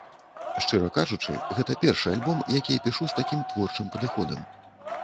Шчыра кажучы, гэта першы альбом, які я пішу з такім творчым падыходам.